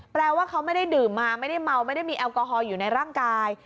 แปลว่าเขาไม่ได้ดื่มมาไม่ได้เมาไม่ได้มีแอลกอฮอลอยู่ในร่างกาย